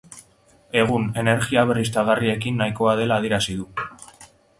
Egun, energia berriztagarriekin nahikoa dela adierazi du.